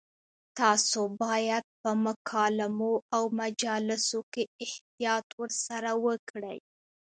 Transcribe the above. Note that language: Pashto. تاسو باید په مکالمو او مجالسو کې احتیاط ورسره وکړئ.